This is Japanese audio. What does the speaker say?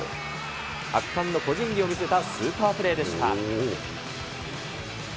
圧巻の個人技を見せたスーパープレーでした。